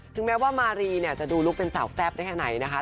แม้ว่ามารีเนี่ยจะดูลูกเป็นสาวแซ่บได้แค่ไหนนะคะ